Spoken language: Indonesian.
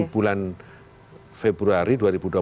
bulan februari dua ribu dua puluh